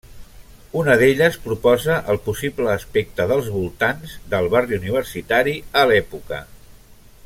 Una d'elles proposa el possible aspecte dels voltants del barri universitari a l'època.